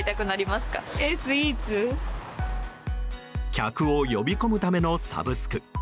客を呼び込むためのサブスク。